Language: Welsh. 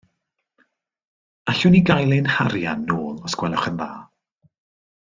Allwn ni gael ein harian nôl os gwelwch yn dda.